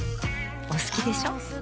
お好きでしょ。